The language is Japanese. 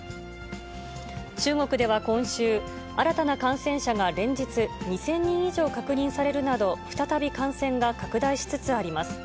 中国では今週、新たな感染者が連日２０００人以上確認されるなど、再び感染が拡大しつつあります。